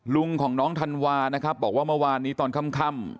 ลุงของน้องธันวานะครับบอกว่าเมื่อวานนี้ตอนค่ำ